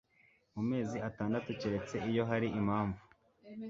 mu mezi atandatu keretse iyo hari impamvu